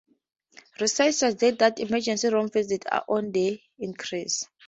Research suggests that emergency room visits are on the increase.